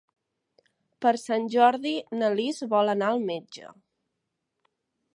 Per Sant Jordi na Lis vol anar al metge.